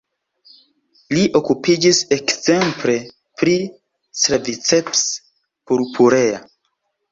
Li okupiĝis ekzemple pri "Claviceps purpurea".